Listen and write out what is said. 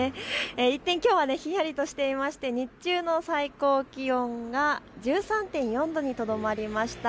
一転、きょうはひんやりとしていまして日中の最高気温が１３．４度にとどまりました。